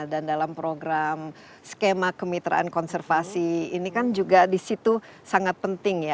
dan dalam program skema kemitraan konservasi ini kan juga disitu sangat penting ya